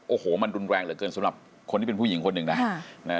โอ้โหมันรุนแรงเหลือเกินสำหรับคนที่เป็นผู้หญิงคนหนึ่งนะ